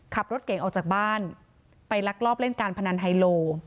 ขับรถเก่งออกจากบ้านไปลักลอบเล่นการพนันไฮโล